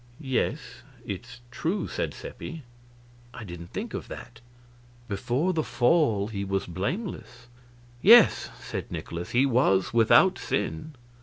"Yes it's true," said Seppi; "I didn't think of that." "Before the Fall he was blameless." "Yes," said Nikolaus, "he was without sin."